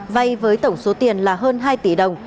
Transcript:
vay với tổng số tiền là hơn hai tỷ đồng